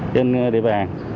trên địa bàn